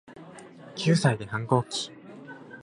九歳で反抗期